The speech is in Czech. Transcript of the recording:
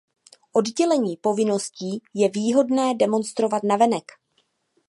Oddělení povinností je výhodné demonstrovat navenek.